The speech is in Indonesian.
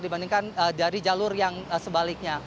dibandingkan dari jalur yang sebaliknya